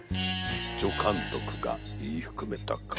助監督が言い含めたか。